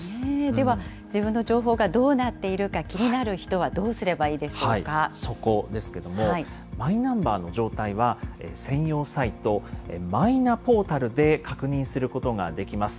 では自分の情報がどうなっているか気になる人はどうすればいそこですけれども、マイナンバーの状態は、専用サイト、マイナポータルで確認することができます。